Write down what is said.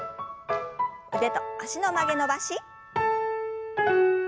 腕と脚の曲げ伸ばし。